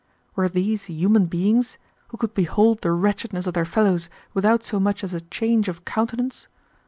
Were these human beings, who could behold the wretchedness of their fellows without so much as a change of countenance?